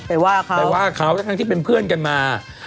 ไปว่ากับเขาไปว่ากับเขาตั้งที่เป็นเพื่อนกันมา